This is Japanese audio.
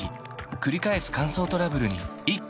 くり返す乾燥トラブルに一気にアプローチ